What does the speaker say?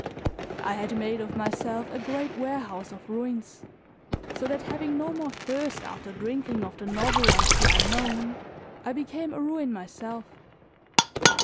I had made of myself a great warehouse of ruins, so that having no more thirst after drinking of the novel and the unknown, I became a ruin myself.